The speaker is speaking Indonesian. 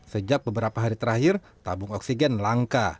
sejak beberapa hari terakhir tabung oksigen langka